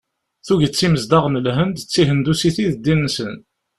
Tuget imezdaɣ n Lhend d tihendusit i d ddin-nsen.